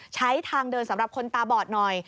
ใช้ทางเดินสำหรับคนตาบอดหน่อย